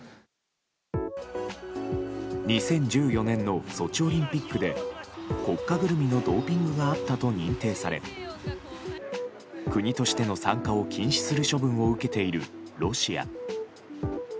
２０１４年のソチオリンピックで国家ぐるみのドーピングがあったと認定され国としての参加を禁止する処分を受けているロシア。